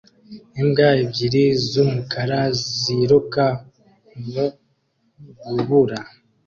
imbwa ebyiri z'umukara ziruka mu rubura